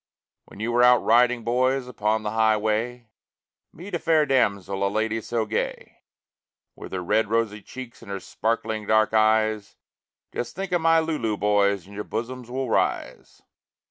When you are out riding, boys, upon the highway, Meet a fair damsel, a lady so gay, With her red, rosy cheeks and her sparkling dark eyes, Just think of my Lulu, boys, and your bosoms will rise.